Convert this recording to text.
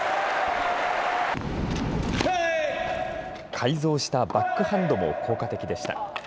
改造したバックハンドも効果的でした。